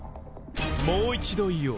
もう一度言おう。